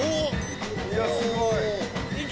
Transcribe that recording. ・いやすごい・行け！